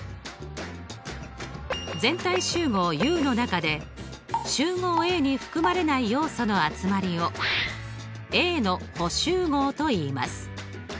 全体集合Ｕの中で集合Ａに含まれない要素の集まりをＡの補集合といいます。